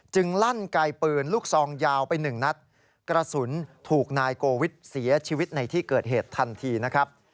ลั่นไกลปืนลูกซองยาวไปหนึ่งนัดกระสุนถูกนายโกวิทเสียชีวิตในที่เกิดเหตุทันทีนะครับ